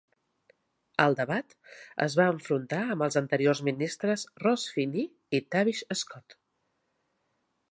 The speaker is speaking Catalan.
Al debat, es va enfrontar amb els anteriors ministres Ross Finnie i Tavish Scott.